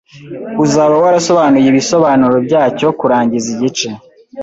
Uzaba warasobanuye ibisobanuro byacyo kurangiza igice